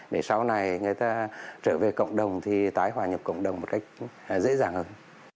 để sau này người ta trở về cộng đồng thì tái hòa nhập cộng đồng một cách dễ dàng hơn